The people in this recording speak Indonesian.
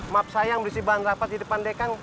maaf sayang berisi bahan rapat di depan dekang